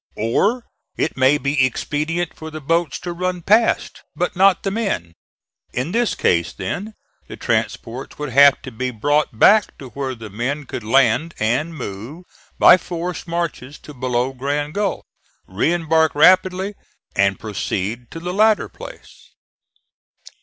Or, it may be expedient for the boats to run past, but not the men. In this case, then, the transports would have to be brought back to where the men could land and move by forced marches to below Grand Gulf, re embark rapidly and proceed to the latter place.